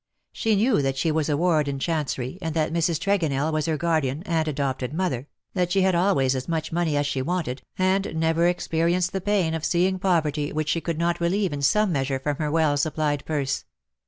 She knew that she was a ward in Chancery, and that Mrs. Tregonell was her guardian and adopted mother, that she had always as much money as she wanted, and never experienced the pain of seeing poverty which she could not relieve THE DAYS THAT ARE NO MORE. 17 in some measure from her well supplied purse.